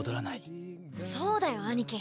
そうだよ兄貴